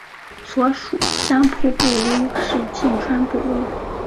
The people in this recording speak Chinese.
所属相扑部屋是境川部屋。